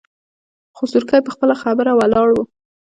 خو سورکی په خپله خبره ولاړ و.